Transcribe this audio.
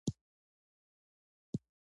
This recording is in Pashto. مهرباني وکړئ سمې جملې زیاتې کړئ.